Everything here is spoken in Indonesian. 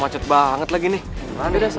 maksud banget lagi nih sampai sini aja